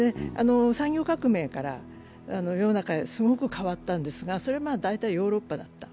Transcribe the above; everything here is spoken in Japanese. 産業革命から世の中すごく変わったんですが、それはまあ大体ヨーロッパだった。